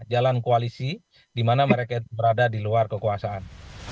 jalan koalisi di mana mereka berada di luar kekuasaan